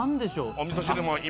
おみそ汁も今。